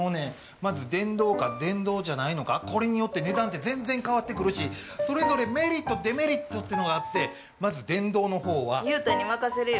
まず電動か、電動じゃないのか、これによって値段って全然変わってくるし、それぞれメリット、デメリットあるし、デメリットっていうのがあって、ユウタに任せるよ。